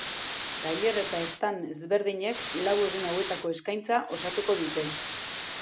Tailer eta stand ezberdinek lau egun hauetako eskaintza osatuko dute.